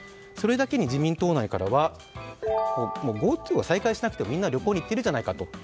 それだけに自民党内からはＧｏＴｏを再開しなくても、みんな旅行に行っているじゃないかと。